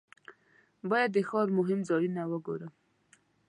باید د ښار مهم ځایونه وګورم.